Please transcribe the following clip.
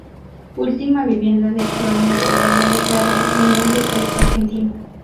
Ultima vivienda del Coronel Bogado declarado monumento histórico argentino.